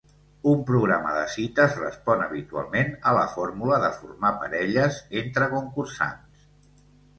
Un programa de cites respon habitualment a la fórmula de formar parelles entre concursants.